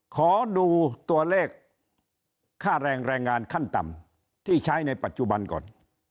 ขอดูตัวเลขค่าแรงแรงงานขั้นต่ำที่ใช้ในปัจจุบันก่อน